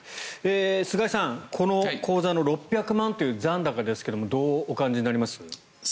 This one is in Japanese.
菅井さん、この口座の６００万円という残高ですがどうお感じになりますか？